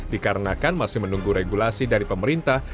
dikarenakan masih menunggu regulasi dari pemerintah